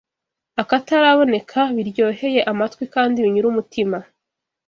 akataraboneka biryoheye amatwi kandi binyura umutima